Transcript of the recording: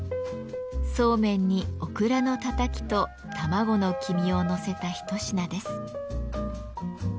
そうめんにオクラのたたきと卵の黄身をのせた一品です。